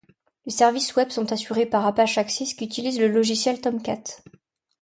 Les services web sont assurés par Apache Axis qui utilise le logiciel Tomcat.